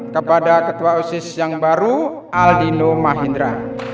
kepada ketua osis yang baru aldino mahindra